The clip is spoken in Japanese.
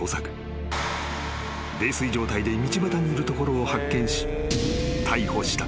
［泥酔状態で道端にいるところを発見し］